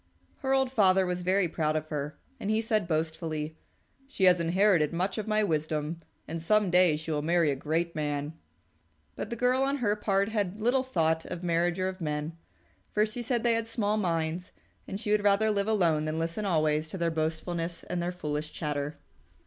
Her old father was very proud of her, and he said boastfully, "She has inherited much of my wisdom, and some day she will marry a great man." But the girl on her part had little thought of marriage or of men, for she said they had small minds, and she would rather live alone than listen always to their boastfulness and their foolish chatter.